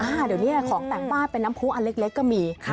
เดี๋ยวนี้ของแต่งบ้านเป็นน้ำผู้อันเล็กก็มี